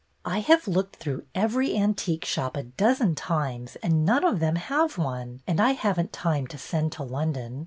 I have looked through every antique shop a dozen times and none of them have one, and I have n't time to send to London.